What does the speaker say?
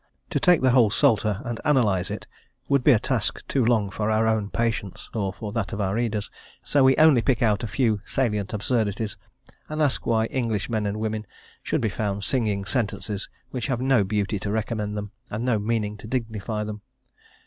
To take the whole Psalter, and analyse it, would be a task too long for our own patience, or for that of our readers, so we only pick out a few salient absurdities, and ask why English men and women should be found singing sentences which have no beauty to recommend them, and no meaning to dignify them.